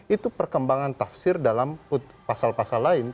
itu perkembangan tafsir dalam pasal pasal lain